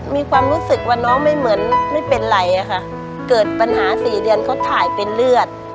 มีความรู้สึกว่าน้องไม่เหมือนไม่เป็นไรอะค่ะเกิดปัญหาสี่เดือนเขาถ่ายเป็นเลือด